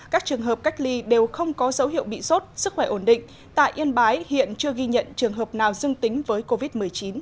các trường hợp cách ly đều không có dấu hiệu bị sốt sức khỏe ổn định tại yên bái hiện chưa ghi nhận trường hợp nào dương tính với covid một mươi chín